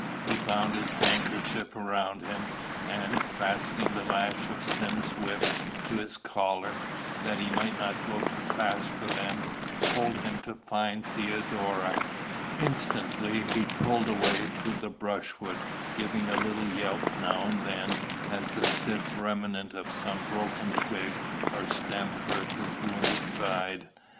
He bound his handkerchief round him, and, fastening the lash of Sim's whip to his collar that he might not go too fast for them, told him to find Theodora. Instantly he pulled away through the brushwood, giving a little yelp now and then as the stiff remnant of some broken twig or stem hurt his wounded side.